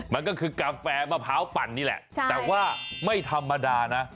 มันก็คือกาแฟมะพร้าวปั่นนี่แหละแต่ว่าไม่ธรรมดานะ